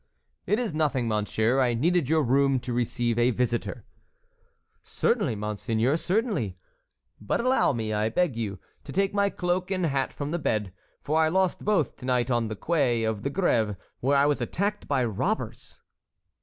"It is nothing, monsieur; I needed your room to receive a visitor." "Certainly, monseigneur, certainly. But allow me, I beg you, to take my cloak and hat from the bed, for I lost both to night on the quay of the Grève, where I was attacked by robbers."